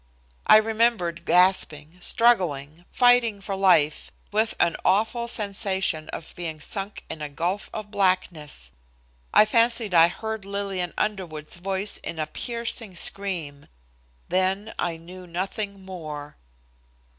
I remembered gasping, struggling, fighting for life, with an awful sensation of being sunk in a gulf of blackness. I fancied I heard Lillian Underwood's voice in a piercing scream. Then I knew nothing more.